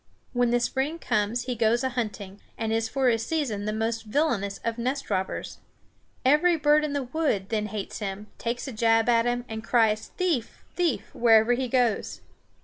When the spring comes he goes a hunting, and is for a season the most villainous of nest robbers. Every bird in the woods then hates him, takes a jab at him, and cries thief, thief! wherever he goes.